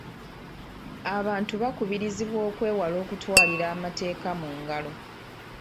Abantu bakubirizibwa okwewala okutwalira amateeka mu ngalo.